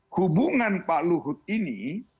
hubungan pak luhut ini